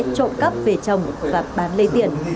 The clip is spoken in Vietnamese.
trộm cắp về trồng và bán lấy tiền